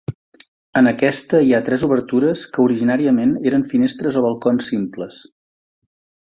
En aquesta hi ha tres obertures que originàriament eren finestres o balcons simples.